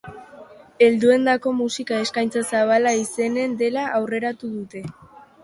Helduendako musika eskaintza zabala izanen dela aurreratu dute.